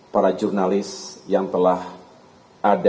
para jurnalis yang telah ada